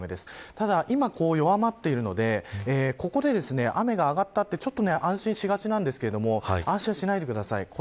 ただ今、弱まっているのでここで雨が上がったとちょっと安心しがちですが安心はしないでください。